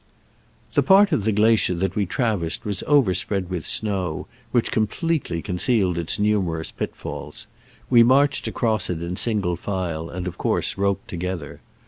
The part of the glacier that we trav ersed was overspread with snow, which completely concealed its numerous pit falls. We marched across it in single file, and of course roped together.